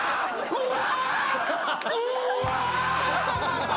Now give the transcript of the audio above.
うわ！